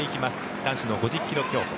男子の５０ｋｍ競歩。